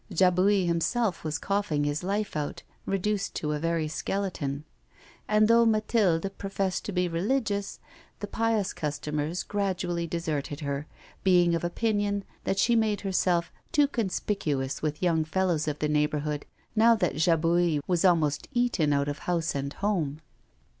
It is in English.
Jabouille himself was coughing his life out, reduced to a very skeleton. And although Mathilde professed to be religious, the pious customers gradually deserted her, being of opinion that she made herself too conspicuous with young fellows of the neighbourhood now that Jabouille was almost eaten out of house and home.